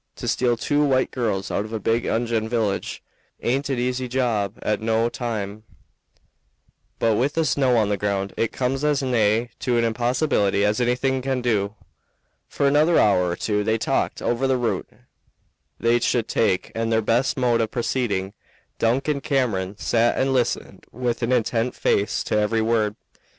To steal two white girls out of a big Injun village aint a easy job at no time; but with the snow on the ground it comes as nigh to an impossibility as anything can do." For another hour or two they talked over the route they should take and their best mode of proceeding. Duncan Cameron sat and listened with an intent face to every word.